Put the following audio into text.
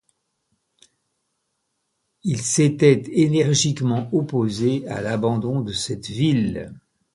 Il s’était énergiquement opposé à l’abandon de cette ville.